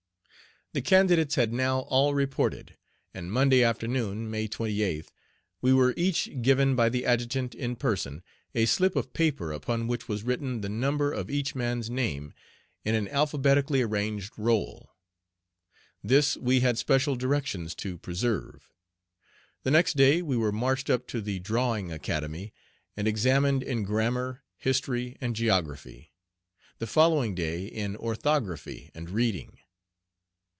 The candidates had now all reported, and Monday afternoon, May 28th, we were each given by the Adjutant in person a slip of paper upon which was written the number of each man's name in an alphabetically arranged roll. This we had special directions to preserve. The next day we were marched up to the Drawing Academy, and examined in grammar, history, and geography; the following day in orthography and reading.